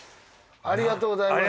ありがとうございます。